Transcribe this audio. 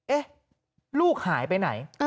เอ๊ะลูกหายไปไหน